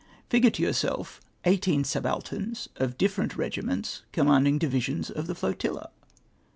'' Figure to 3Mjurself eighteen suhcdterns of different rer/imerds comrnand incj divisions of the flotilla!